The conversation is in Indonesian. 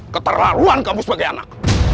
keterlaluan kamu sebagai anak